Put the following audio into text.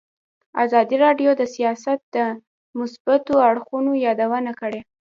ازادي راډیو د سیاست د مثبتو اړخونو یادونه کړې.